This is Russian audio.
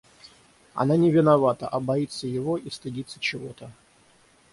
Она не виновата, а боится его и стыдится чего-то.